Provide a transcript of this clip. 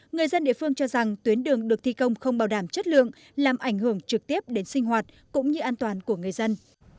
người dân địa phương cho rằng tuyến đường được thi công không bảo đảm chất lượng làm ảnh hưởng trực tiếp đến sinh hoạt cũng như an toàn của người dân